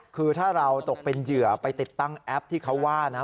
คือถ้าเราตกเป็นเหยื่อไปติดตั้งแอปที่เขาว่านะ